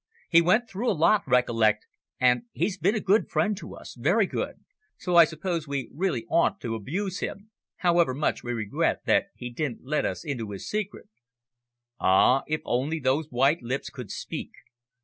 He went through a lot, recollect, and he's been a good friend to us very good so I suppose we really oughtn't to abuse him, however much we regret that he didn't let us into his secret." "Ah, if only those white lips could speak!